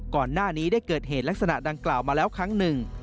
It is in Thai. ก่อนหน้านี้ได้เกิดเหตุลักษณะดังกล่าวมาแล้วครั้งหนึ่ง